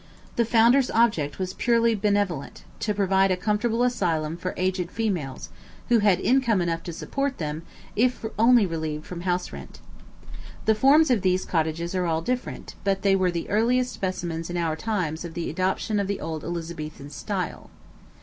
The founder's object was purely benevolent to provide a comfortable asylum for aged females, who had income enough to support them, if only relieved from house rent. The forms of these cottages are all different, but they were the earliest specimens in our times of the adoption of the old Elizabethan style.